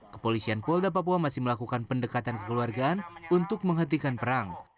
kepolisian polda papua masih melakukan pendekatan kekeluargaan untuk menghentikan perang